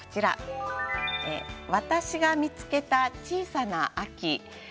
「私が見つけた小さな秋」。